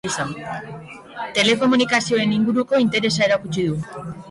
Telekomunikazioen inguruko interesa erakutsi du.